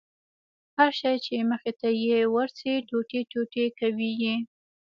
هر شى چې مخې ته يې ورسي ټوټې ټوټې کوي يې.